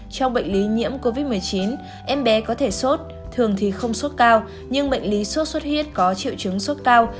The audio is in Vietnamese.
trong bệnh lý nhiễm covid một mươi chín em bé có thể sốt thường thì không sốt cao nhưng bệnh lý sốt xuất huyết có triệu chứng sốt cao